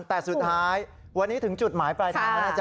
แต่สุดท้ายวันนี้ถึงจุดหมายปลายทางแล้วอาจาร